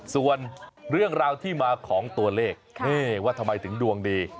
ส่วนเรื่องราวที่มาของตัวเลขว่าทำไมถึงดวงดี